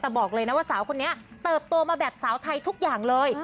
แต่บอกเลยนะว่าสาวคนนี้เติบโตมาแบบสาวไทยทุกอย่างเลย